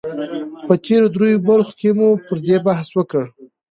په تېرو دريو برخو کې مو پر دې بحث وکړ